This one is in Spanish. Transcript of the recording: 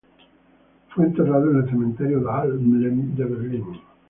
Fue enterrado en el Cementerio Dahlem de Berlín.